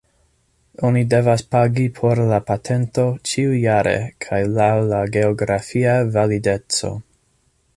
Oni devas pagi por la patento ĉiujare kaj laŭ la geografia valideco.